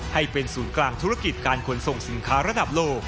ให้เป็นศูนย์กลางธุรกิจการขนส่งสินค้าระดับโลก